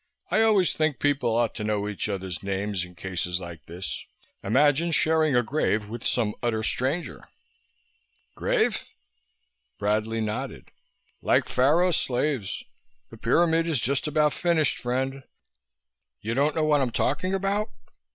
I always think people ought to know each other's names in cases like this. Imagine sharing a grave with some utter stranger!" "Grave?" Bradley nodded. "Like Pharaoh's slaves. The pyramid is just about finished, friend. You don't know what I'm talking about?"